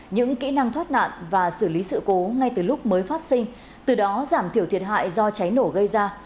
những kỹ năng thoát nạn và xử lý sự cố ngay từ lúc mới phát sinh từ đó giảm thiểu thiệt hại do cháy nổ gây ra